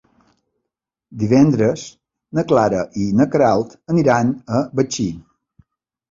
Divendres na Clara i na Queralt aniran a Betxí.